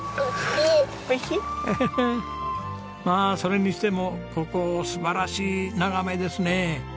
まあそれにしてもここ素晴らしい眺めですねえ。